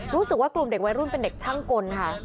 รู้สึกว่ากลุ่มเด็กวัยรุ่นเป็นเด็กช่างกลค่ะ